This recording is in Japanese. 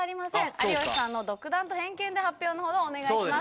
有吉さんの独断と偏見で発表のほどお願いします。